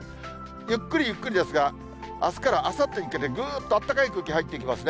ゆっくりゆっくりですが、あすからあさってにかけて、ぐーっとあったかい空気入ってきますね。